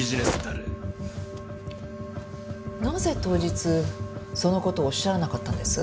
なぜ当日その事をおっしゃらなかったんです？